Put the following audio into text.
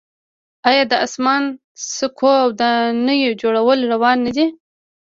آیا د اسمان څکو ودانیو جوړول روان نه دي؟